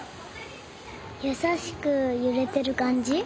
やさしくゆれてるかんじ？